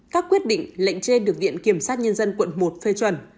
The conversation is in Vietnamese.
các quyết định lệnh trên được viện kiểm sát nhân dân quận một phê chuẩn